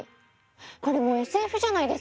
これもうＳＦじゃないですか！